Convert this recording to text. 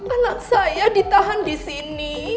anak saya ditahan di sini